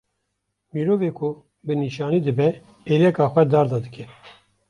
Mirovê ku bi nîşanî dibe êleka xwe darda dike